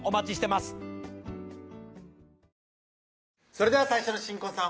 それでは最初の新婚さん